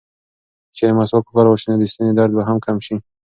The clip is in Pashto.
که چېرې مسواک وکارول شي، نو د ستوني درد به هم کم شي.